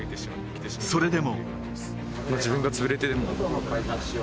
それでも。